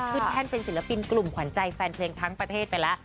แท่นเป็นศิลปินกลุ่มขวัญใจแฟนเพลงทั้งประเทศไปแล้ว